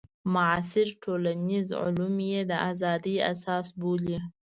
معاصر ټولنیز علوم یې د ازادۍ اساس بولي.